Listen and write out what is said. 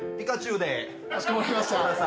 かしこまりました。